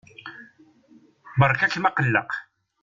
Beṛka-kem aqelleq.